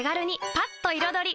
パッと彩り！